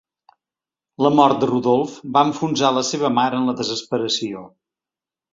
La mort de Rudolf va enfonsar a la seva mare en la desesperació.